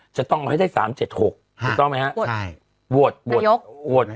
จะต้องเอาให้ได้๓๗๖ถูกต้องไหมฮะ